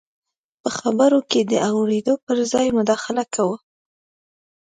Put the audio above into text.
په خبرو کې د اورېدو پر ځای مداخله کوو.